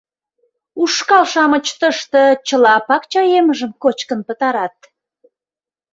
— Ушкал-шамыч тыште чыла пакча емыжым кочкын пытарат.